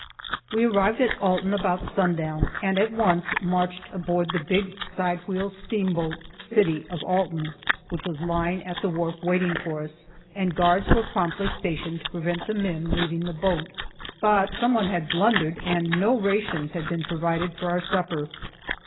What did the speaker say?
We arrived at Alton about sundown, and at once marched aboard the big side wheel steamboat, "City of Alton," which was lying at the wharf waiting for us, and guards were promptly stationed to prevent the men leaving the boat. But "some one had blundered," and no rations had been provided for our supper.